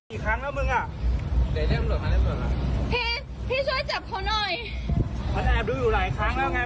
อีกครั้งแล้วมึงอ่ะพี่พี่ช่วยจับเขาหน่อยมันแอบดูอยู่หลายครั้งแล้วไง